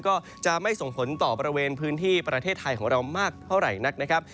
ก็จะไม่ส่งผลต่อบริเวณพื้นที่ประเทศไทยของเรามากเท่าไหร่นักนะครับ